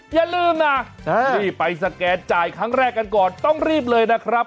อย่าลืมนะรีบไปสแกนจ่ายครั้งแรกกันก่อนต้องรีบเลยนะครับ